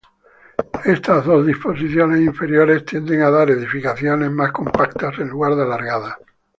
Estas dos disposiciones interiores tienden a dar edificaciones más compactas en lugar de alargadas.